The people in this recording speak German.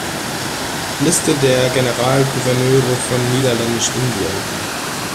Liste der Generalgouverneure von Niederländisch-Indien